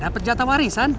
dapet jatah warisan